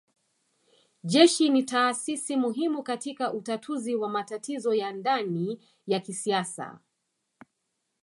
Jeshi ni taasisi muhimu katika utatuzi wa matatizo ya ndani ya kisiasa